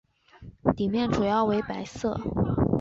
底面主要为白色。